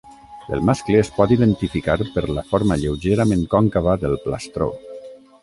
El mascle es pot identificar per la forma lleugerament còncava del plastró.